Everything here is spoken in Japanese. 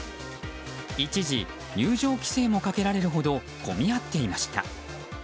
一時、入場規制もかけられるほど混み合っていました。